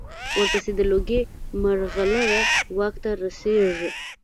ورپسې د لوګي مرغلره واک ته رسېږي.